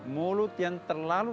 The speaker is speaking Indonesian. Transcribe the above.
mulut yang terlalu